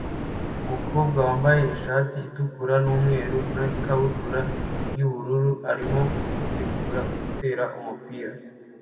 Umukobwa wambaye ishati itukura numweru na ikabutura yubururu arimo kwitegura gutera umupira